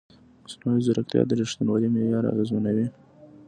مصنوعي ځیرکتیا د ریښتینولۍ معیار اغېزمنوي.